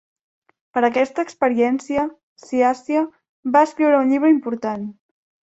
Per aquesta experiència, Sciascia va escriure un llibre important.